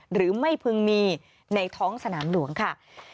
หรือไม่พึงมีในท้องสนามหลวงค่ะ